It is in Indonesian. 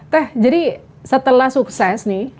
teh jadi setelah sukses nih